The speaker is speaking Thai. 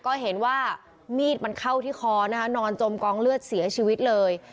ก็เห็นว่ามีดมันเข้าที่คอนะคะนอนจมกองเลือดเสียชีวิตเลย